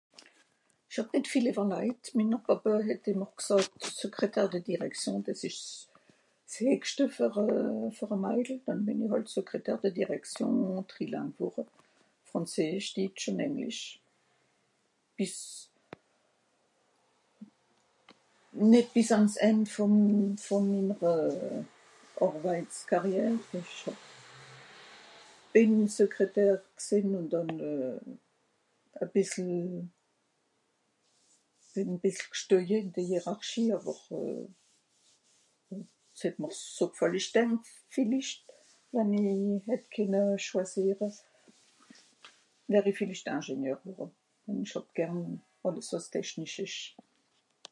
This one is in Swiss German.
Ìch hàb nìt viel ìwwerlajt, minner Pàppe het ìmmer gsààt, Secrétaire de Direction, dìs ìsch s'... s'heegschte fer e... fer e Maidel, dann bìn i Secrétaire de direction trilingue worre. Frànzeesch, ditsch ùn Englisch. Bìs... nìt bìs àn's End vùn... vùn're Àrweitskarrièr, ìch hàb... bìn Secrétaire gsìnn ùn dànn...euh... e bìssel... bìn e bìssel gstoeje ìn de Hiérachie àwer euh, s'het m'r so gfallischt denn vilicht wenn i hätt kenne schwàsìere, wär i villicht Ingénieur geworden. Denn ìch hàb gern àlles wàs teschnisch ìsch.